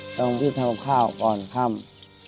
ต้องรีบทำข้าวก่อนค่ำ